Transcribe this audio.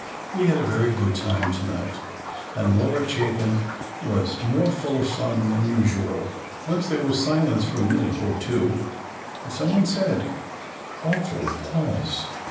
We had a very good time to night and Laura Chapin was more full of fun than usual. Once there was silence for a minute or two and some one said, "awful pause."